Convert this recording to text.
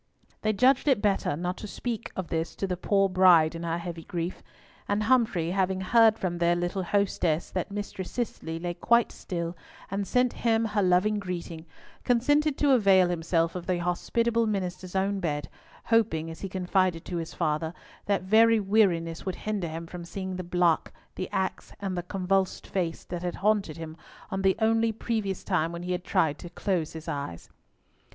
They judged it better not to speak of this to the poor bride in her heavy grief; and Humfrey, having heard from their little hostess that Mistress Cicely lay quite still, and sent him her loving greeting, consented to avail himself of the hospitable minister's own bed, hoping, as he confided to his father, that very weariness would hinder him from seeing the block, the axe, and the convulsed face, that had haunted him on the only previous time when he had tried to close his eyes.